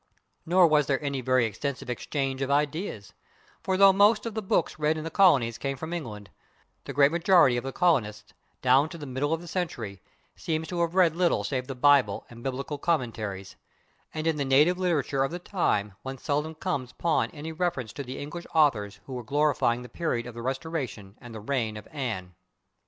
Nor was there any very extensive exchange of ideas, for though most of the books read in the colonies came from England, the great majority of the colonists, down to the middle of the century, seem to have read little save the Bible and biblical commentaries, and in the native literature of the time one seldom comes upon any reference to the English authors who were glorifying the period of the Restoration and the reign of Anne.